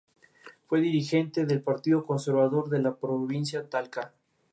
Jugó en el club durante dos temporadas, ganando el Campeonato Catarinense en dos ocasiones.